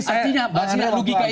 artinya bahasanya logika ini